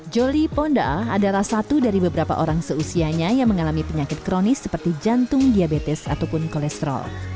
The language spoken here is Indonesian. jolie ponda adalah satu dari beberapa orang seusianya yang mengalami penyakit kronis seperti jantung diabetes ataupun kolesterol